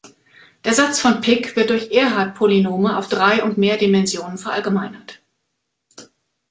Der Satz von Pick wird durch Ehrhart-Polynome auf drei und mehr Dimensionen verallgemeinert.